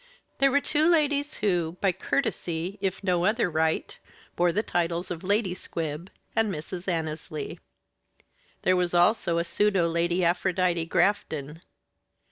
There were two ladies who, by courtesy if no other right, bore the titles of Lady Squib and Mrs. Annesley. There was also a pseudo Lady Aphrodite Grafton.